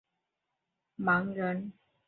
他的父亲瞽叟是个盲人。